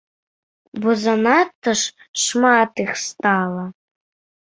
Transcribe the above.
Бо занадта ж шмат іх стала.